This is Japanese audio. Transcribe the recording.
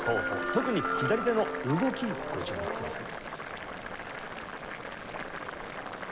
特に左手の動きにご注目ください。